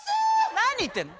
何言ってんの？